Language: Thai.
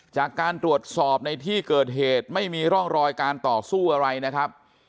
จากการตรวจสอบในที่เกิดเหตุไม่มีร่องรอยการต่อสู้อะไรนะครับ